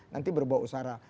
nanti berbau usara